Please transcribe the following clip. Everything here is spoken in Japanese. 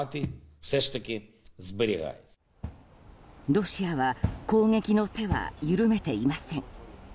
ロシアは攻撃の手は緩めていません。